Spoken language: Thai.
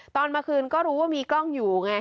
ตอนมาคืนก็รู้ว่ามีกล้องอยู่ไง